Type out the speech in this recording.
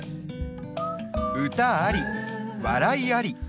歌あり笑いあり。